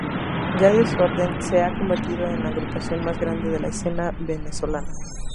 Ya Desorden se ha convertido en la agrupación más grande de la escena venezolana.